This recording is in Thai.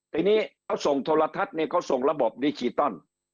ทีนี้เขาส่งโทรทัศน์เนี่ยเขาส่งระบบดิจิตอล